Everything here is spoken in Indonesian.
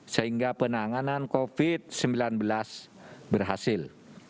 sehingga penanganan covid sembilan belas berhasil